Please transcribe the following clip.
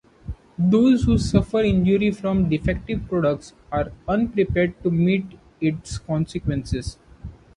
Those who suffer injury from defective products are unprepared to meet its consequences.